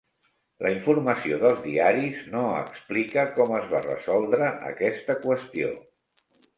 La informació dels diaris no explica com es va resoldre aquesta qüestió.